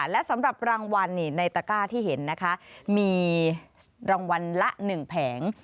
และสำหรับรางวัลในตะก้าที่เห็นนะคะมีรางวัลละ๑แผง